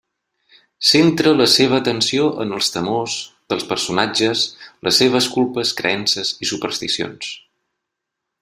Centra la seva atenció en els temors dels personatges, les seves culpes, creences i supersticions.